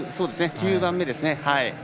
９番目ですね。